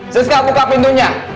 siska buka pintunya